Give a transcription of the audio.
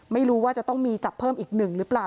ไม่รู้ว่าจะต้องมีจับเพิ่มอีกหนึ่งหรือเปล่า